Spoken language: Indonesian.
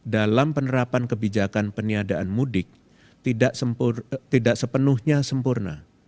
dalam penerapan kebijakan peniadaan mudik tidak sepenuhnya sempurna